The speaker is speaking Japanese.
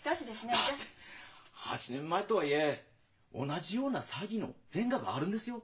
だって８年前とはいえ同じような詐欺の前科があるんですよ。